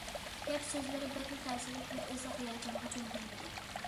گەپ- سۆزلىرى بەكلا تەسىرلىك ۋە ئۆزى ھاياجانغا چۆمگەنىدى.